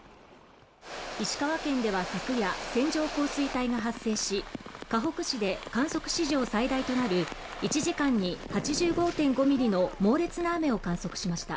石川県では昨夜、線状降水帯が発生し、かほく市で観測史上最大となる１時間に８５．５ミリの猛烈な雨を観測しました。